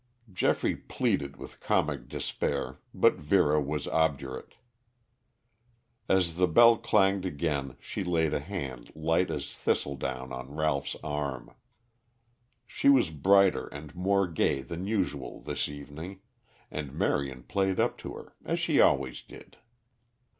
Geoffrey pleaded with comic despair, but Vera was obdurate. As the bell clanged again, she laid a hand light as thistledown on Ralph's arm. She was brighter and more gay than usual this evening and Marion played up to her, as she always did.